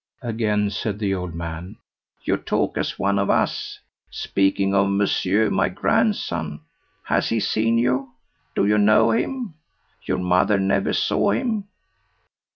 again said the old man; "you talk as one of us speaking of monsieur my grandson. Has he seen you? do you know him? Your mother never saw him?